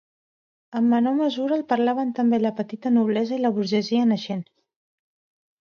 En menor mesura el parlaven també la petita noblesa i la burgesia naixent.